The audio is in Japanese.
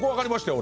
俺。